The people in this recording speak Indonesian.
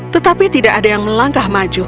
tetapi tidak ada yang melangkah maju